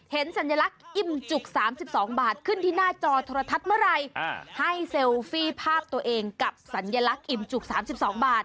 สัญลักษณ์อิ่มจุก๓๒บาทขึ้นที่หน้าจอโทรทัศน์เมื่อไหร่ให้เซลฟี่ภาพตัวเองกับสัญลักษณ์อิ่มจุก๓๒บาท